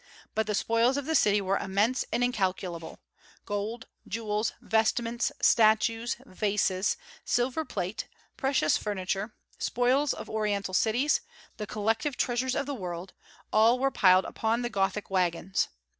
But the spoils of the city were immense and incalculable, gold, jewels, vestments, statues, vases, silver plate, precious furniture, spoils of Oriental cities, the collective treasures of the world, all were piled upon the Gothic wagons.